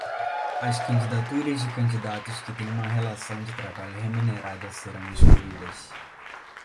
As candidaturas de candidatos que tenham uma relação de trabalho remunerada serão excluídas.